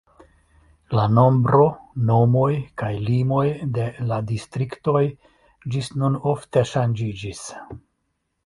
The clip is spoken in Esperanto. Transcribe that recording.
La nombro, nomoj kaj limoj de la distriktoj ĝis nun ofte ŝanĝiĝis.